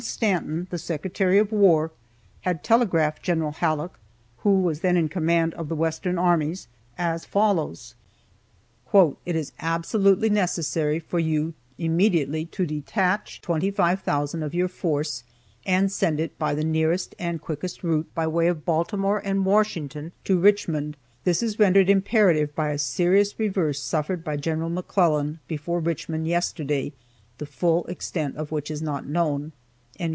Stanton, the Secretary of War, had telegraphed Gen. Halleck (who was then in command of the western armies) as follows: "It is absolutely necessary for you immediately to detach 25,000 of your force, and send it by the nearest and quickest route by way of Baltimore and Washington to Richmond. [This] is rendered imperative by a serious reverse suffered by Gen. McClellan before Richmond yesterday, the full extent of which is not known."